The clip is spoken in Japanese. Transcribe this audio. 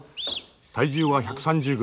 体重は１３０ｇ。